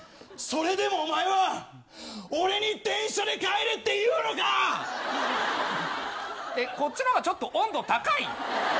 それでもお前は俺に電車で帰れって言うのか⁉こっちの方がちょっと温度高い？